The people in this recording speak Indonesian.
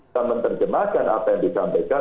kita menerjemahkan apa yang disampaikan